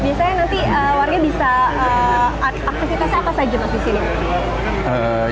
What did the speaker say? biasanya nanti warga bisa aktivitasnya apa saja mas di sini